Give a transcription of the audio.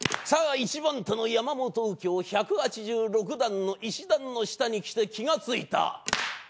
さぁ３番手の山本右京１８６段の石段の下に来て気が付いた。